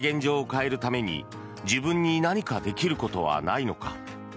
そんな現状を変えるために自分に何かできることはないのか。